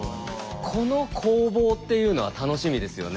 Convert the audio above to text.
この攻防っていうのは楽しみですよね。